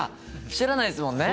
知らないっすもんね。